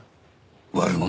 悪者？